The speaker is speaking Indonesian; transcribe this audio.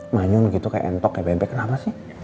manyun gitu kayak entok kayak bebek kenapa sih